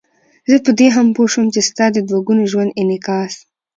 زه په دې هم پوه شوم چې ستا د دوه ګوني ژوند انعکاس.